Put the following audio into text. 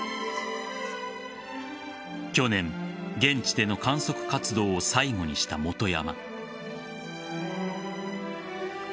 去年、現地での観測活動を最後にした本山。